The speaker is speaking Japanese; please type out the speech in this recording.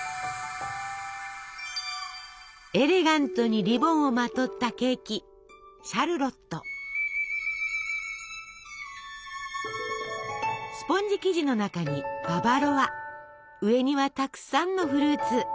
エレガントにリボンをまとったケーキスポンジ生地の中にババロア上にはたくさんのフルーツ。